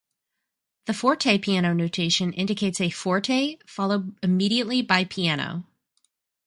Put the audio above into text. The fortepiano notation indicates a "forte" followed immediately by "piano".